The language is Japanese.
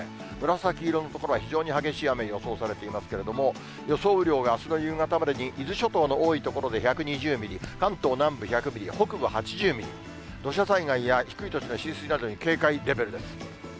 紫色の所は非常に激しい雨、予想されていますけれども、予想雨量があすの夕方までに、伊豆諸島の多い所で１２０ミリ、関東南部１００ミリ、北部８０ミリ、土砂災害や低い土地の浸水などに警戒レベルです。